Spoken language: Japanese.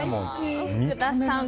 福田さん